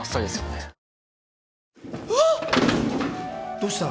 どうした？